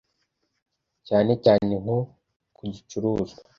cyane cyane nko ku gicuruzwa